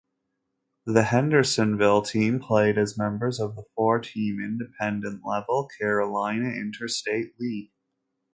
The Hendersonville team played as members of the four–team Independent level Carolina Interstate League.